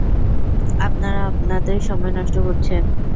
আপনারা আপনাদের সময় নষ্ট করছেন!